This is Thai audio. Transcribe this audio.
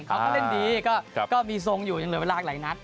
เขาก็เล่นดีก็มีทรงอยู่อยู่ในเวลาหลายนัด